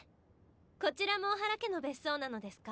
こちらも小原家の別荘なのですか？